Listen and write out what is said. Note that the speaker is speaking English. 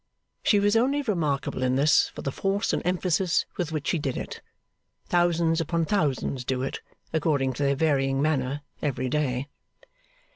She was only remarkable in this, for the force and emphasis with which she did it. Thousands upon thousands do it, according to their varying manner, every day.